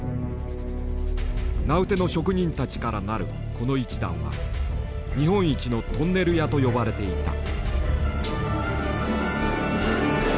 名うての職人たちから成るこの一団は日本一のトンネル屋と呼ばれていた。